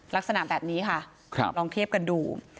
ลักษณะแบบนี้ค่ะลองเทียบกันดู